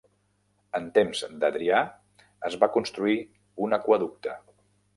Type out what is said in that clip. En temps d'Adrià es va construir un aqüeducte.